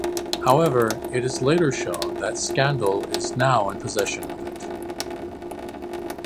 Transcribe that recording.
However, it is later shown that Scandal is now in possession of it.